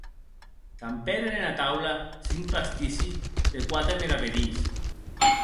Campèren ena taula cinc pastissi de quate meravedís.